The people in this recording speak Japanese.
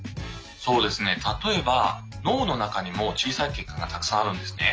そうですね例えば脳の中にも小さい血管がたくさんあるんですね。